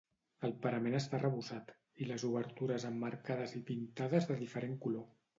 El parament està arrebossat i les obertures emmarcades i pintades de diferent color.